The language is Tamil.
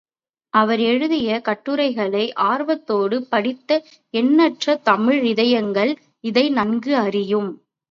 அவர் எழுதிய கட்டுரைகளை ஆர்வத்தோடு படித்த எண்ணற்ற தமிழ் இதயங்கள் இதை நன்கு அறியும்.